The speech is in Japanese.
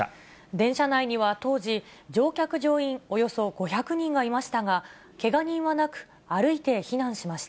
電車内には当時、乗客・乗員およそ５００人がいましたが、けが人はなく、歩いて避難しました。